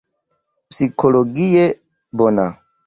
Psikologie bona.